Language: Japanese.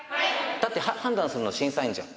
だって判断するの審査員じゃん。